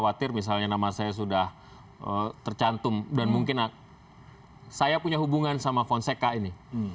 khawatir misalnya nama saya sudah tercantum dan mungkin saya punya hubungan sama fonseca ini